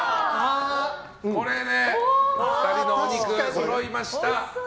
これで２人のお肉そろいました。